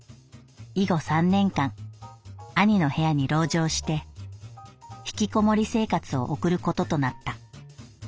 以後三年間兄の部屋に籠城して引きこもり生活を送ることとなった」。